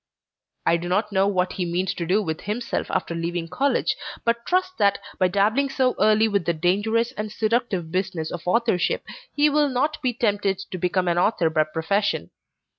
I do not know what he means to do with himself after leaving college, but trust that, by dabbling so early with the dangerous and seductive business of authorship, he will not be tempted to become an author by profession.